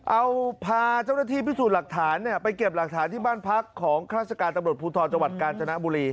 เอาพาเจ้าหน้าที่พิสูจน์หลักฐานไปเก็บหลักฐานที่บ้านพักของราชการตำรวจภูทรจังหวัดกาญจนบุรี